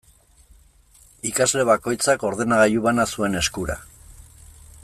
Ikasle bakoitzak ordenagailu bana zuen eskura.